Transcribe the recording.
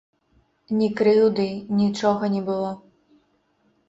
Ні крыўды, нічога не было.